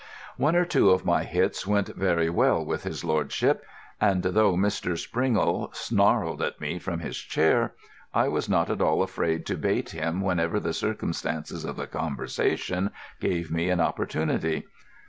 One or two of my hits went very well with his lordship; and though Mr. Springle snarled at me from his chair, I was not at all afraid to bait him whenever the circumstances of the conversation gave me an opportunity.